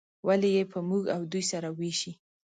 ولې یې په موږ او دوی سره ویشي.